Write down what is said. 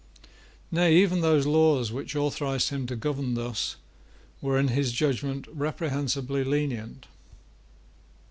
Nay, even those laws which authorised him to govern thus were in his judgment reprehensibly lenient.